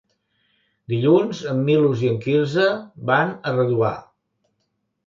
Dilluns en Milos i en Quirze van a Redovà.